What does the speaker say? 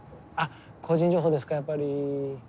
あ個人情報ですかやっぱり。